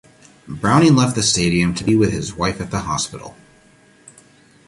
Browning left the stadium to be with his wife at the hospital.